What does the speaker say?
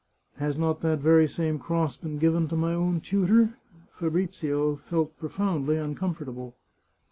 " Has not that very same cross been given to my own tutor ?" Fabrizio felt profoundly uncomfortable.